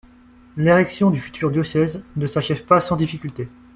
L’érection du futur diocèse ne s’achève pas sans difficulté.